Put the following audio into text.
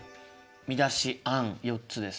見出し案４つですね。